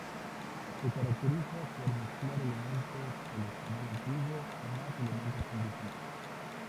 Se caracteriza por mezclar elementos del español antiguo más elementos indígenas.